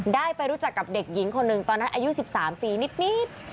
ได้ไปรู้จักกับเด็กหญิงคนหนึ่งตอนนั้นอายุ๑๓ปีนิด